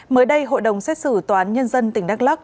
mới đây hội đồng xét xử toán nhân dân tỉnh đắk lắc